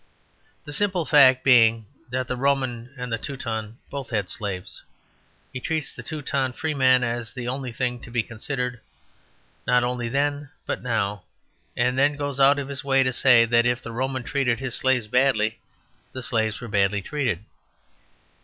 The simple fact being that the Roman and the Teuton both had slaves, he treats the Teuton free man as the only thing to be considered, not only then but now; and then goes out of his way to say that if the Roman treated his slaves badly, the slaves were badly treated.